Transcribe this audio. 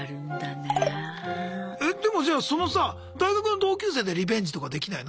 でもじゃあそのさ大学の同級生でリベンジとかできないの？